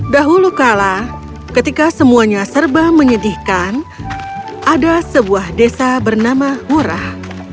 dahulu kala ketika semuanya serba menyedihkan ada sebuah desa bernama hurah